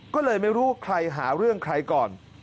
ก็เลยไม่รู้ใครหาเรื่องใครก่อน